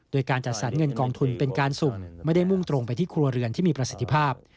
โดยการจัดสรรเงินกองทุนเป็นการสุ่มไม่ได้มุ่งตรงไปที่ครัวเรือนที่มีประสิทธิภาพ